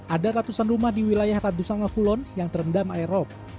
ada ratusan rumah di wilayah radusangakulon yang terendam air rop